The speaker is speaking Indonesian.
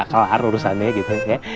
kelar urusan nya gitu ya